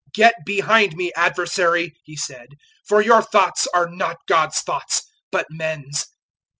"Get behind me, Adversary," He said, "for your thoughts are not God's thoughts, but men's."